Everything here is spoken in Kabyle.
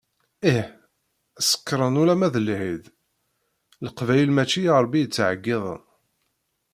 Ih, sekkṛen ulamma d lεid, Leqbayel mačči i Rebbi i ttεeyyiden.